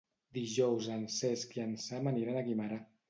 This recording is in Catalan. Dijous en Cesc i en Sam aniran a Guimerà.